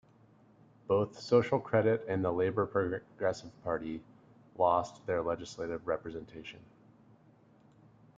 Both Social Credit and the Labour Progressive Party lost their legislative representation.